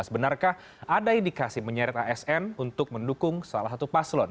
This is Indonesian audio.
benarkah ada indikasi menyeret asn untuk mendukung salah satu paslon